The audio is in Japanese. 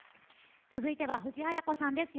続いては藤あや子さんです。